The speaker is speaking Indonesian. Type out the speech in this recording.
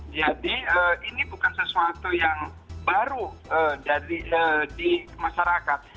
jadi ini bukan sesuatu yang baru di masyarakat